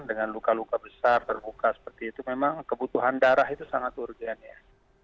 dengan luka luka besar terbuka seperti itu memang kebutuhan darah itu sangat urgen ya